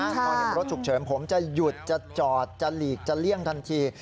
พอเห็นรถฉุกเฉินผมจะหยุดจะจอดจะหลีกจะเลี่ยงทันที